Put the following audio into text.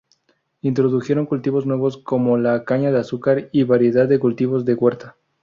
Introdujeron cultivos nuevos como la caña de azúcar y variedad de cultivos de huerta.